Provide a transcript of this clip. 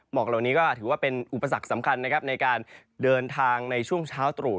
หมอกเหล่านี้ถือว่าเป็นอุปสรรคสำคัญในการเดินทางในช่วงเช้าต๑๙๙๕